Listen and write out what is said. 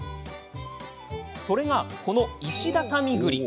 それが、この石畳ぐり。